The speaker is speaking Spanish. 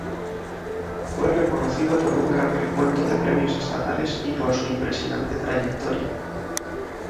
Fue reconocido por un gran recuento de premios estatales y por su impresionante trayectoria.